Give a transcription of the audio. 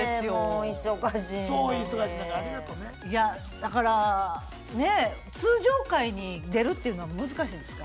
だからね通常回に出るっていうのは難しいんですか？